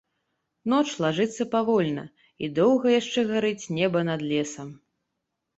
Ноч лажыцца павольна, і доўга яшчэ гарыць неба над лесам.